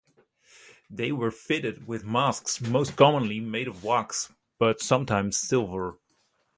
They were fitted with masks most commonly made of wax but sometimes silver.